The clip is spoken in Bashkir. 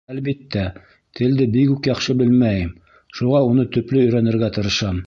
Әлбиттә, телде бигүк яҡшы белмәйем, шуға уны төплө өйрәнергә тырышам.